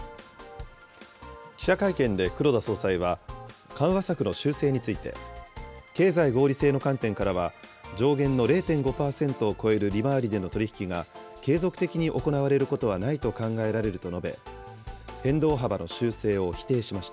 記者会見で黒田総裁は、緩和策の修正について、経済合理性の観点からは、上限の０．５％を超える利回りでの取り引きが、継続的に行われることはないと考えられると述べ、変動幅の修正を否定